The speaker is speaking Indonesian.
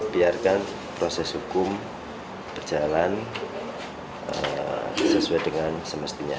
biarkan proses hukum berjalan sesuai dengan semestinya